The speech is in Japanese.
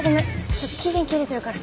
ちょっと期限切れてるから。